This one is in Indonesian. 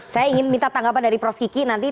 saya ingin minta tanggapan dari prof kiki nanti